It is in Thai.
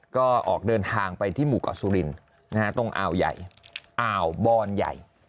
ก็ออกเดินทางไปที่หมู่เกาะสุรินตรงอ่าวใหญ่อ่าวบอนใหญ่